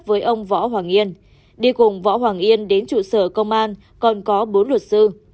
với ông võ hoàng yên đi cùng võ hoàng yên đến trụ sở công an còn có bốn luật sư